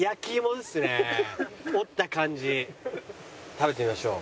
食べてみましょう。